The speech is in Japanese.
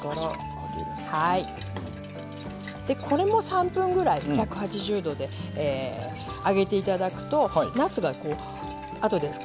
でこれも３分ぐらい１８０度で揚げていただくとなすが後でかみやすい。